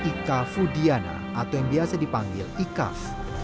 ikafudiana atau yang biasa dipanggil ikaf